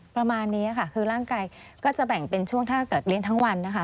ประมาณนี้ค่ะคือร่างกายก็จะแบ่งเป็นช่วงถ้าเกิดเลี้ยงทั้งวันนะคะ